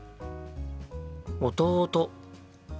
弟。